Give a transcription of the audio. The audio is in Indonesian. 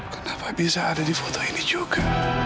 kenapa bisa ada di foto ini juga